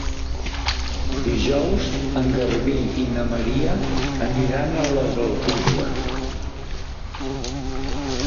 Dijous en Garbí i na Maria aniran a les Alcubles.